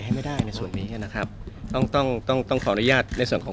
ให้ไม่ได้ในส่วนนี้นะครับต้องต้องต้องต้องต้องขออนุญาตในส่วนของ